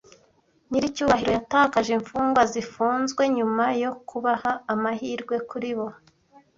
Nyiricyubahiro yatakaje imfungwa zifunzwe nyuma yo kubaha amahirwe kuri bo.